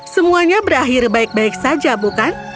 semuanya berakhir baik baik saja bukan